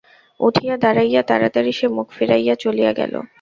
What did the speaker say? উঠিয়া দাঁড়াইয়া তাড়াতাড়ি সে মুখ ফিরাইয়া চলিয়া গেল।